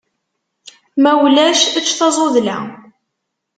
Ma ulac, ečč tazuḍla.